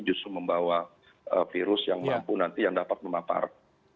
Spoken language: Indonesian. justru membawa virus yang mampu nanti yang dapat memapar